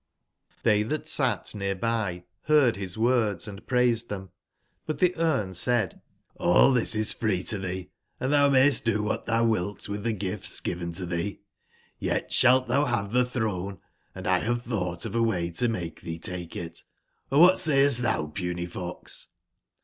]T)Sy tbat sat nearby beard bis words and praised tbem; buttbeSrne said: ''Hll tbis is free to tbee, & tbou mayst do wbat tbou wilt witb tbe gifts given to tbee. Yet sbalt tbou bave tbe tbrone; and X bave tbougbtof away tomaketbee take it. Or wbat says t tbou. Puny fox?